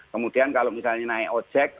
kemudian kalau misalnya naik ojek